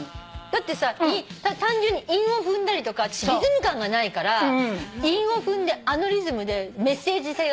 だってさ単純に韻を踏んだりとか私リズム感がないから韻を踏んであのリズムでメッセージ性があって。